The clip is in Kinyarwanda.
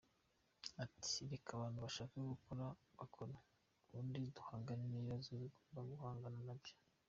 Ati “Reka abantu bashaka gukora bakore, ubundi duhangane n’ibibazo tugomba guhangana nabyo.